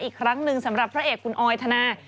อีกครั้งหนึ่งสำหรับพระเอกคุณออยธนา